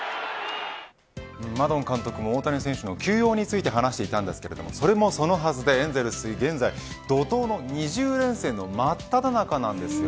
マドン監督も大谷選手の休養について話していましたがそれもそのはずで、エンゼルスは怒涛の２０連戦のまっただ中なんです。